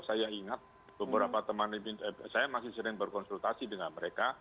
saya ingat beberapa teman saya masih sering berkonsultasi dengan mereka